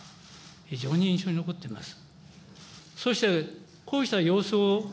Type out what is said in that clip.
非常に印象に残っております。